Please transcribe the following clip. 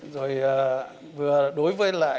rồi vừa đối với lại